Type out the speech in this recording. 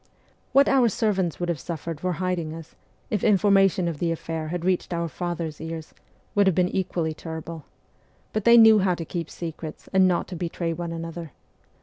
What our servants would have suffered for hiding us, if information of the affair had reached our father's ears, would have been equally terrible ; but they knew how to keep secrets and not to betray one another.